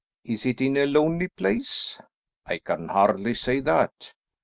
"Is it in a lonely place?" "I can hardly say that.